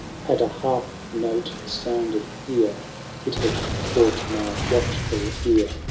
Had a harp note sounded here. It had caught my watchful ear.